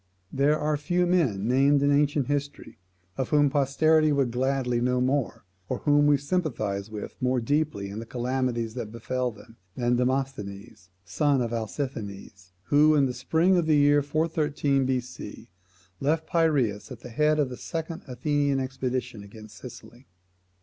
There are few men named in ancient history, of whom posterity would gladly know more, or whom we sympathise with more deeply in the calamities that befel them, than Demosthenes, the son of Alcisthenes, who, in the spring of the year 413 B.C., left Piraeus at the head of the second Athenian expedition against Sicily.